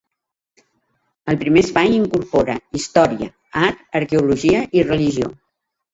El primer espai incorpora història, art, arqueologia i religió.